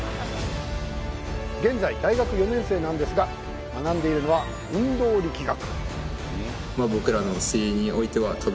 現在大学４年生なんですが学んでいるのは運動力学